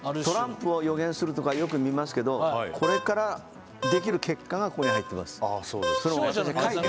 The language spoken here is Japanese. トランプを予言するとかよく見ますけどこれから、できる結果がここに入ってます。